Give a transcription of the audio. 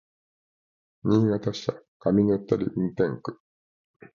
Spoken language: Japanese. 新潟支社上沼垂運転区